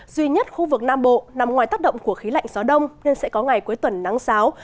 duy nhất khu vực nam bộ nằm ngoài tác động của khí lạnh gió đông nên sẽ có ngày cuối tuần nắng giáo